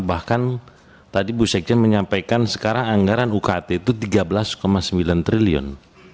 bahkan tadi bu sekjen menyampaikan sekarang anggaran ukt itu rp tiga belas sembilan triliun